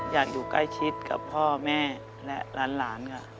อยากอยู่ใกล้ชิดกับพ่อแม่และหลานค่ะ